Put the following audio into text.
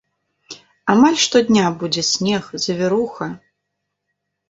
Амаль штодня будзе снег, завіруха.